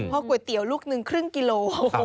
เพราะก๋วยเตี๋ยวลูกหนึ่งครึ่งกิโล